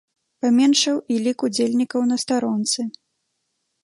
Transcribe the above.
Паменшаў і лік удзельнікаў на старонцы.